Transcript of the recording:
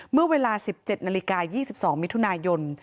เมื่อเวลาสิบเจ็ดนาฬิกายี่สิบสองมิถุนายน